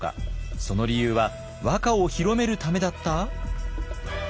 その理由は和歌を広めるためだった？